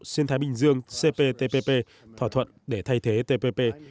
xuyên thái bình dương cptpp thỏa thuận để thay thế tpp